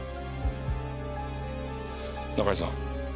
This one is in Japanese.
中井さん